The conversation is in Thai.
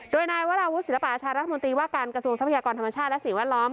โดยนายวราวุศิลปะชารัฐมนตรีว่าการกระทรวงทรัพยากรธรรมชาติและสิ่งแวดล้อม